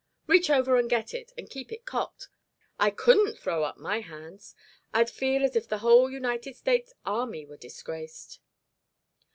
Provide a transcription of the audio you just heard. Reach over and get it, and keep it cocked. I couldn't throw up my hands. I'd feel as if the whole United States army were disgraced."